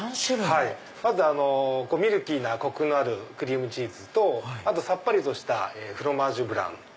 まずミルキーなコクのあるクリームチーズとさっぱりとしたフロマージュブラン。